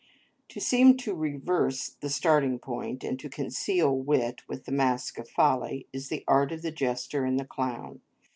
To seem to reverse the starting point, and to conceal wit with the mask of folly, is the art of the jester and the clown.